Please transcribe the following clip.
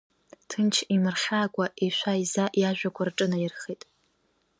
Ҭынч, имырхьаакәа, ишәа-иза, иажәақәа рҿынаирхеит…